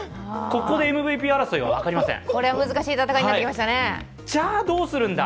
ここでＭＶＰ争いは分かりません。